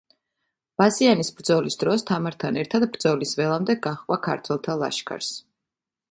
ბასიანის ბრძოლის დროს თამართან ერთად ბრძოლის ველამდე გაჰყვა ქართველთა ლაშქარს.